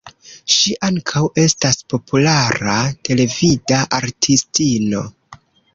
Ŝi ankaŭ estas populara televida artistino.